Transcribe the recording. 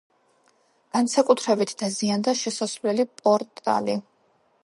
განსაკუთრებით დაზიანდა შესასვლელი პორტალი.